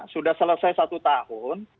sudah selesai satu tahun